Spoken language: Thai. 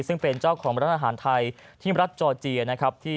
ซึ่งเป็นเจ้าของร้านอาหารไทยที่รัฐจอร์เจียนะครับ